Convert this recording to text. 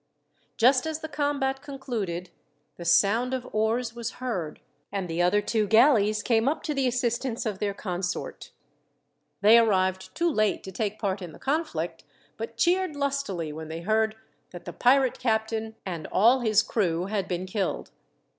Just as the combat concluded, the sound of oars was heard, and the other two galleys came up to the assistance of their consort. They arrived too late to take part in the conflict, but cheered lustily when they heard that the pirate captain, and all his crew, had been killed.